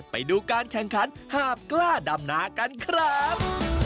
ไปดูการแข่งขันหาบกล้าดำนากันครับ